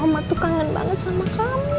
mama tuh kangen banget sama kamu